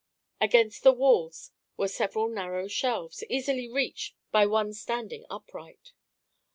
Against the walls were several narrow shelves, easily reached by one standing upright.